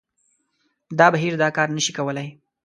دا بهیر دا کار نه شي کولای